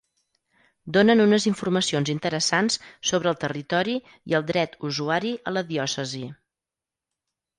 Donen unes informacions interessants sobre el territori i el dret usuari a la diòcesi.